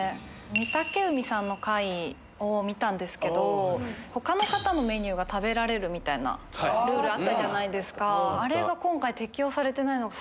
御嶽海さんの回を見たんですけど他の方のメニューが食べられるルールあったじゃないですか。